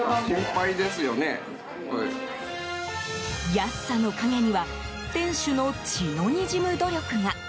安さの陰には店主の血のにじむ努力が。